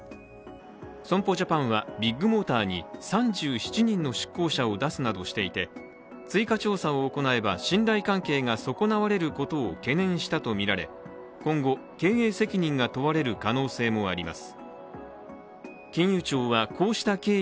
損保ジャパンは、ビッグモーターに３７人の出向者を出すなどしていて、追加調査を行えば、信頼関係が損なわれることを懸念したとみられ今後、経営責任が問われる可能性もあります。